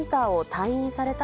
退院されました。